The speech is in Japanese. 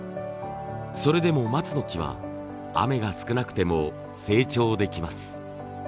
それでも松の木は雨が少なくても成長できます。